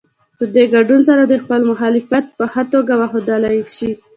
په دې ګډون سره دوی خپل مخالفت په ښه توګه ښودلی شي.